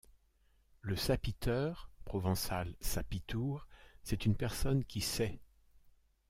Le sapiteur - provençal sapitour - c'est une personne qui sait.